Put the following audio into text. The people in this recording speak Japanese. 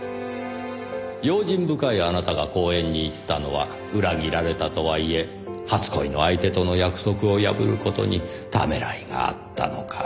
用心深いあなたが公園に行ったのは裏切られたとはいえ初恋の相手との約束を破る事にためらいがあったのか。